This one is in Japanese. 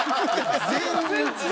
全然！